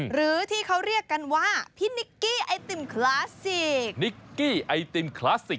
หรือที่เขาเรียกกันว่าพี่นิกกี้ไอติมคลาสสิกนิกกี้ไอติมคลาสสิก